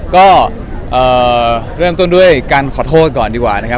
ก็เริ่มต้นด้วยการขอโทษก่อนดีกว่านะครับ